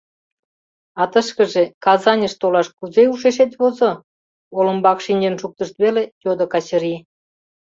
— А тышкыже, Казаньыш толаш кузе ушешет возо? — олымбак шинчын шуктышт веле, йодо Качырий.